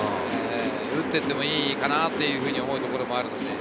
打っていってもいいかなと思うところもある。